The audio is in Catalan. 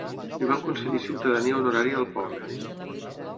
Li van concedir ciutadania honorària al poble.